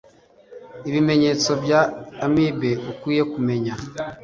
Ibimenyetso bya Amibe ukwiye kumenya